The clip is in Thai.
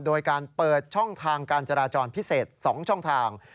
โดยการเปิดช่องทางการจราจรพิเศษ๒ช่องทาง